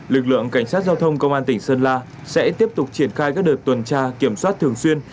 lực lượng cảnh sát giao thông công an tỉnh sơn la sẽ tiếp tục triển khai các đợt tuần tra kiểm soát thường xuyên